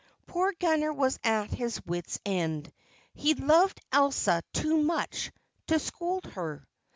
Poor Gunner was at his wits' end; he loved Elsa too much to scold her.